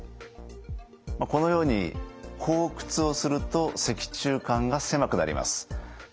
このように後屈をすると脊柱管が狭くなります。